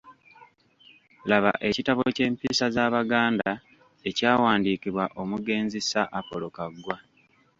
Laba ekitabo ky'Empisa z'Abaganda, ekyawandiikibwa omugenzi Sir Apolo Kaggwa.